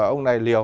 ông này liều